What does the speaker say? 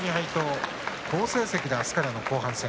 好成績で明日からの後半戦。